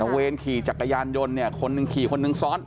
เวรขี่จักรยานยนต์เนี่ยคนหนึ่งขี่คนหนึ่งซ้อน